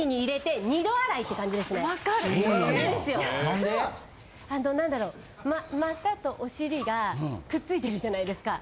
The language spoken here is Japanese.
あのなんだろ股とお尻がくっついてるじゃないですか。